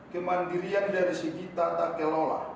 kemandirian dari segi tata kelola